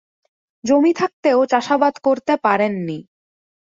জমি থাকতেও চাষাবাদ করতে পারেননি।